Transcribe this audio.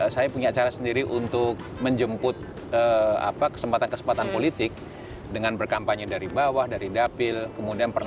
saya punya cara sendiri untuk menjemput apa kesempatan kesempatan politik dengan berkampanye